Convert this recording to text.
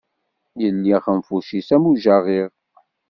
Illi axenfuc-is am ujaɣiɣ.